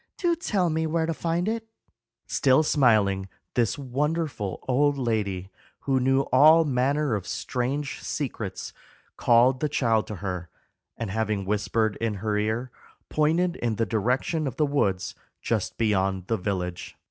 Do tell me where to find it." Still smiling, this wonderful old lady, who knew all manner of strange secrets, called the child to her, and having whispered in her ear, pointed in the direction of the woods just beyond the village.